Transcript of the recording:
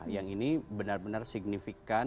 yang ini benar benar signifikan